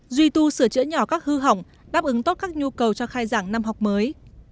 duy tu sửa chữa nhỏ các hư hỏng đáp ứng tốt các nhu cầu cho khai giảng năm học mới